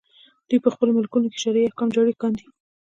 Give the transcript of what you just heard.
دوی په خپلو ملکونو کې شرعي احکام جاري کاندي.